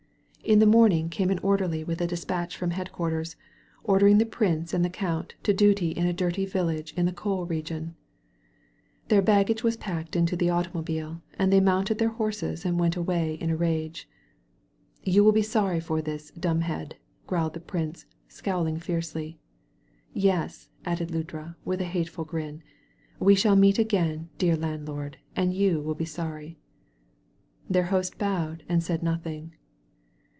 In the morning came an orderly with a despatch 61 THE VALLEY OF VISION from headqiiartersy ordering the prince and the count to duty in a dirty village of the coal region. Their baggage was packed into the automobile* and they mounted their horses and went away in a rage. "You wiU be sorry for this, dumbhead, growled the prince, scowling fiercely. "Yes, added Ludra, with a hateful grin, "we shall meet again, dear landlord, and you will be sorry. Their host bowed and said nothing.